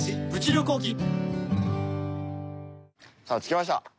さあ着きました。